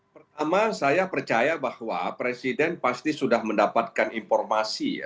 pertama saya percaya bahwa presiden pasti sudah mendapatkan informasi ya